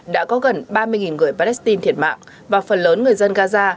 đã có gần ba mươi người palestine thiệt mạng và phần lớn người dân gaza